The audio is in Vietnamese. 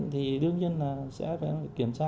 thì đương nhiên là sẽ phải kiểm tra